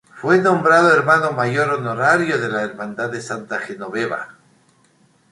Fue nombrado Hermano Mayor Honorario de la Hermandad de Santa Genoveva.